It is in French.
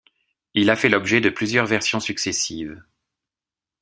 Il a fait l'objet de plusieurs versions successives.